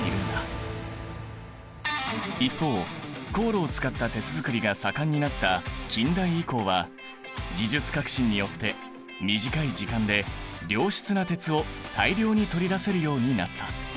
一方高炉を使った鉄づくりが盛んになった近代以降は技術革新によって短い時間で良質な鉄を大量に取り出せるようになった。